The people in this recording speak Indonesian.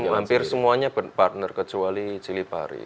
hampir semuanya partner kecuali ciri pari